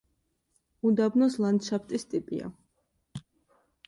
უდაბნოს ლანდშაფტის ტიპია.